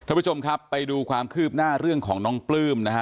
ท่านผู้ชมครับไปดูความคืบหน้าเรื่องของน้องปลื้มนะฮะ